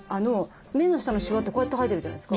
目の下のしわってこうやって入ってるじゃないですか。